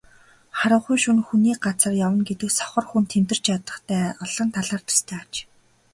Харанхуй шөнө хүний газар явна гэдэг сохор хүн тэмтэрч ядахтай олон талаар төстэй аж.